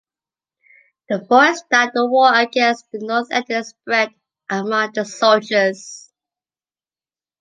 The voice that the war against the North ended spread among the soldiers.